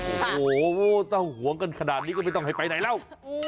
โอ้โหถ้าหวงกันขนาดนี้ก็ไม่ต้องให้ไปไหนแล้ว